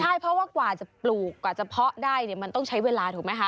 ใช่เพราะว่ากว่าจะปลูกกว่าจะเพาะได้เนี่ยมันต้องใช้เวลาถูกไหมคะ